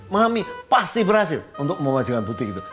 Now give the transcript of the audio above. mami pasti berhasil untuk mewajibkan butik itu